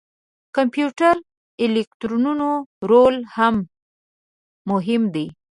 د کمپیوټري الګوریتمونو رول هم مهم دی.